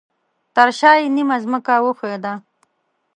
ترشاه یې نیمه ځمکه وښویده